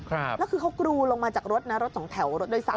แล้วคือเขากรูลงมาจากรถรถสองแถวรถโดยสาม